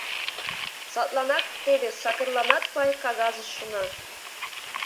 Садланак теве сакырланат пай кагазыш шуна.